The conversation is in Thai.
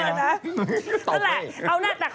เอาโดยแน่แต่เขาก็บอกชัดเจน